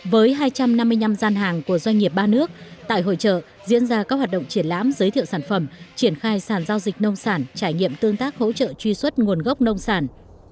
với hai trăm năm mươi năm gian hàng của doanh nghiệp ba nước tại hội trợ diễn ra các hoạt động triển lãm giới thiệu sản phẩm triển khai sàn giao dịch nông sản trải nghiệm tương tác hỗ trợ truy xuất nguồn gốc nông sản